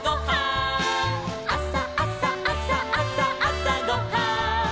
「あさあさあさあさあさごはん」